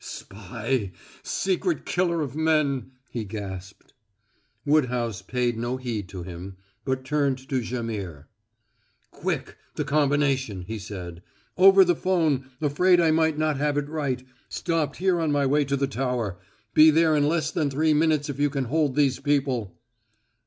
"Spy! Secret killer of men!" he gasped. Woodhouse paid no heed to him, but turned to Jaimihr. "Quick! The combination," he said. "Over the phone afraid I might not have it right stopped here on my way to the tower be there in less than three minutes if you can hold these people."